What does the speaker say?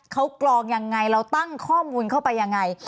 เขากรองยังไงเราตั้งข้อมูลเข้าไปยังไง